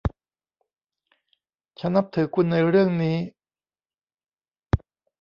ฉันนับถือคุณในเรื่องนี้